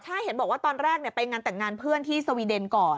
ใช่เห็นบอกว่าตอนแรกไปงานแต่งงานเพื่อนที่สวีเดนก่อน